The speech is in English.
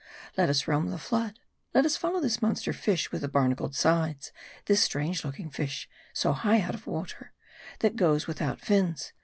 Let us roam the flood ; let us follow this monster fish with the barnacled sides ; this strange looking fish, so high out of water ; that goes without fins.